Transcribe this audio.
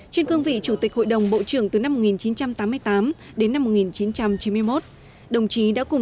trên cường vị chủ tịch hội đồng bộ trưởng từ năm một nghìn chín trăm tám mươi tám đến năm một nghìn chín trăm chín mươi một